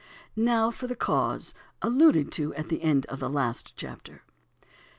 Now for the cause, alluded to at the end of the last chapter.